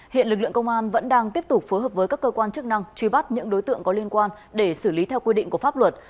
hiện lực lượng công an vẫn đang tiếp tục phối hợp với các cơ quan chức năng truy bắt những đối tượng có liên quan để xử lý theo quy định của pháp luật